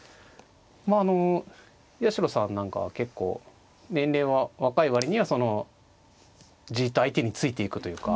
あの八代さんなんかは結構年齢は若い割にはじっと相手についていくというか。